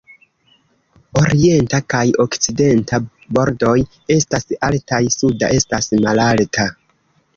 Orienta kaj okcidenta bordoj estas altaj, suda estas malalta.